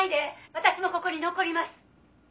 私もここに残ります」